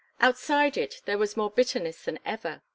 Outside it, there was more bitterness than ever.